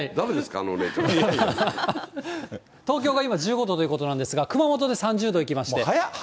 あのお姉ちゃんっ東京が今１５度ということなんですが、熊本で３０度いきまして。